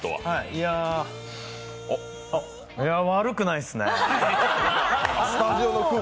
いや悪くないっすね。